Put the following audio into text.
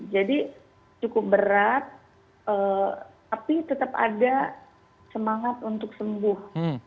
jadi cukup berat tapi tetap ada semangat untuk sembuh